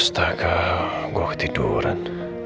astaga gua ketiduran